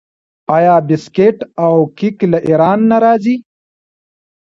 آیا بسکیټ او کیک له ایران نه راځي؟